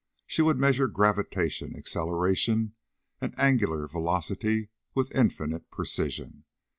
She would measure gravitation, acceleration and angular velocity with infinite precision.